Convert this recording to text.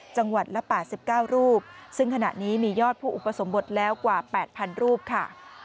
จังหวัดละ๘๙รูปซึ่งขณะนี้มียอดผู้อุปสมบทแล้วกว่า๘๐๐รูปค่ะ